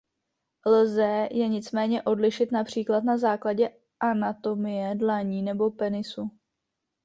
Lze je nicméně odlišit například na základě anatomie dlaní nebo penisu.